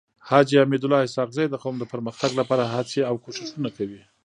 حاجي حميدالله اسحق زی د قوم د پرمختګ لپاره هڅي او کوښښونه کوي.